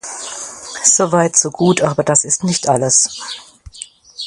So weit, so gut, aber das ist nicht alles.